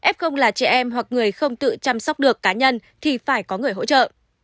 f là trẻ em hoặc người không tự chăm sóc được cá nhân thì phải có người hỗ trợ